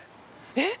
えっ？